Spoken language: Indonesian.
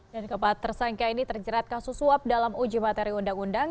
dan keempat tersangka ini terjerat kasus suap dalam uji materi undang undang